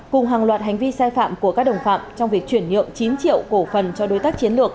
cùng hàng loạt hành vi sai phạm của các đồng phạm trong việc chuyển nhượng chín triệu cổ phần cho đối tác chiến lược